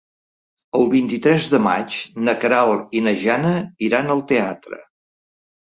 El vint-i-tres de maig na Queralt i na Jana iran al teatre.